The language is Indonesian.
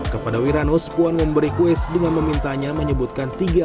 kepada wiranus puan memberi kues dengan memintanya menyebutkan tiga makhluk